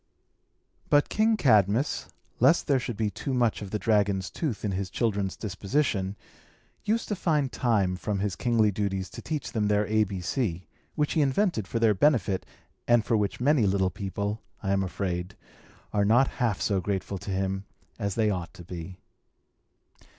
But King Cadmus, lest there should be too much of the dragon's tooth in his children's disposition, used to find time from his kingly duties to teach them their A B C which he invented for their benefit, and for which many little people, I am afraid, are not half so grateful to him as they ought to be.